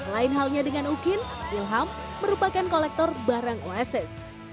lain halnya dengan ukin wilham merupakan kolektor barang ohss